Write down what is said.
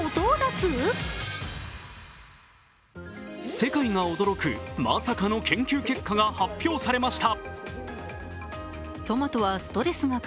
世界が驚くまさかの研究結果が発表されました。